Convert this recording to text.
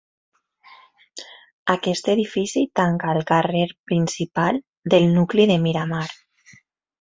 Aquest edifici tanca el carrer principal del nucli de Miramar.